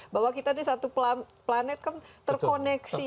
bahwa kita di satu planet kan terkoneksi